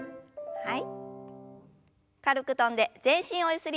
はい。